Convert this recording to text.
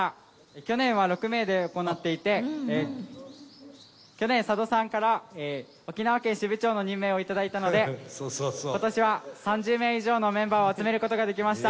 去年は６名で行っていて去年佐渡さんから沖縄県支部長の任命を頂いたので今年は３０名以上のメンバーを集めることができました。